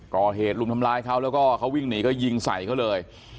ก่อเหตุลุมทำร้ายเขาแล้วก็เขาวิ่งหนีก็ยิงใส่เขาเลย